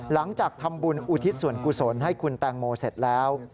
หลังจากทำบุญอุทิศส่วนกุศลให้คุณแตงโมเสร็จแล้ว